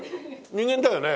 人間だよね？